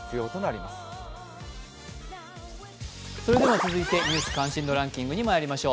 続いて「ニュース関心度ランキング」にまいりましょう。